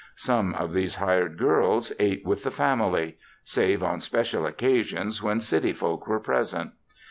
Some of these hired girls ate with the family save on special occasions when city folk were present.